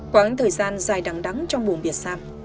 quáng thời gian dài đắng đắng trong buồn biệt xam